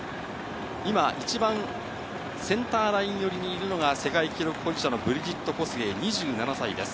今、一番センターライン寄りにいるのが、世界記録保持者のブリジット・コスゲイ２７歳です。